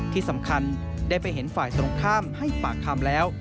ที่สำคัญได้ไปเห็นฝ่ายตรงข้ามให้ปากคำแล้ว